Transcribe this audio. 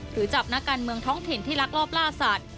จับนักการเมืองท้องถิ่นที่ลักลอบล่าสัตว์